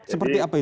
seperti apa itu